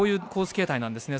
形態なんですね。